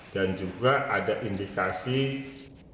dan juga ada indikasi tergantung